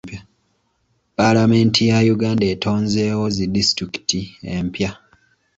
Palamenti ya Uganda etonzeewo zi disitulikiti empya.